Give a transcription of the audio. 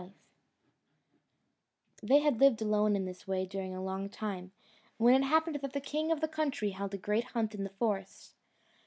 They had lived alone in this way during a long time, when it happened that the king of the country held a great hunt in the forest.